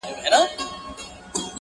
o دا خو ددې لپاره.